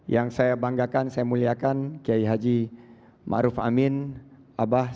yang saya banggakan saya muliakan kiai haji ma'ruf amin abah